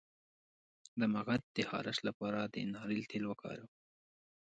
د مقعد د خارش لپاره د ناریل تېل وکاروئ